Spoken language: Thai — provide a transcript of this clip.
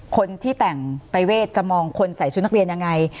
คนที่แต่งประเวทจะมองคนใส่ชุดนักเรียนยังไง